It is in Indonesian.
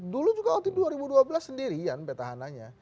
dulu juga waktu dua ribu dua belas sendirian petahananya